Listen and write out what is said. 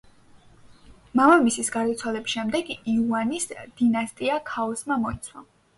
მამამისის გარდაცვალების შემდეგ იუანის დინასტია ქაოსმა მოიცვა.